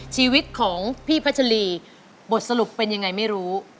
ชีวิตของพี่พัชรีบทสรุปเป็นยังไงไม่รู้